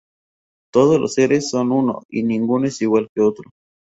Todos los seres son uno y ninguno es igual que otro.